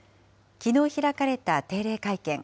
きのう開かれた定例会見。